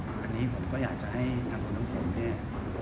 อันนี้ผมก็อยากจะให้ทางคุณน้ำฝนเนี่ย